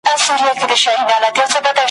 څه خو راته وايي ګړوي چي نیمه ژبه ,